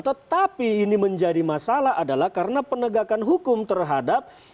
tetapi ini menjadi masalah adalah karena penegakan hukum terhadap